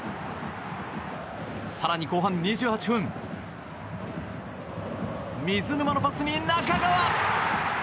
更に後半２８分水沼のパスに仲川！